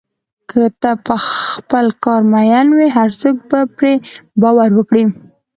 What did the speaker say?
که ته په خپل کار مین وې، هر څوک به پرې باور وکړي.